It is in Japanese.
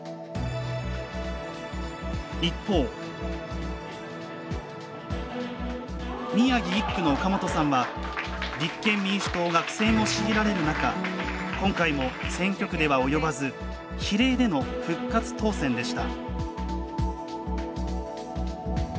一方宮城１区の岡本さんは立憲民主党が苦戦を強いられる中今回も選挙区では及ばず比例での復活当選でした。